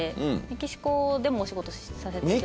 メキシコでもお仕事させて頂いてて。